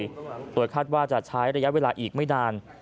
ของกรกฎกรรมการประมาชอต่อไปตรวจคาดว่าจะใช้ระยะเวลาอีกไม่นาน